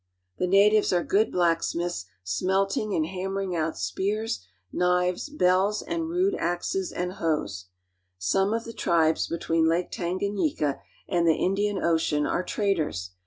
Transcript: ^^H The natives are good blacksmiths, smelting and hammer ^^f ing out spears, knives, bells, and rude axes and hoes. Some of the tribes between Lake Tanganyika and the Indian Ocean are traders.